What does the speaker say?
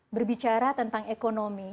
berbicara tentang ekonomi